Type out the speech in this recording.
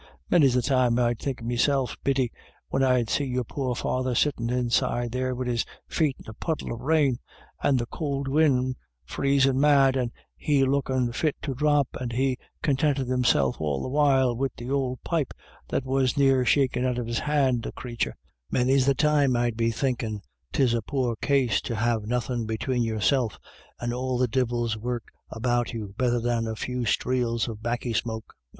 Many's the time I'd think to meself, Biddy, when I'd see your poor father sittin' inside there, wid his feet in a puddle of rain, and the could win' freezin' mad, and he lookin' fit to drop, and he con tintin' himself all the while wid the ould pipe that was near shakin* out of his hand, the crathur — many's the time I'd be thinkin' 'tis a poor case to ha' nothin' between yourself and all the Divil's work about you better than a few streels of baccy smoke.